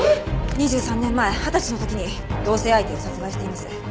２３年前二十歳の時に同棲相手を殺害しています。